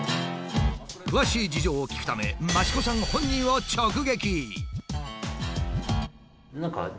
詳しい事情を聞くため益子さん本人を直撃！